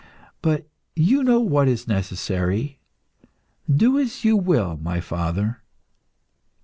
But you know what is necessary. Do as you will, my father."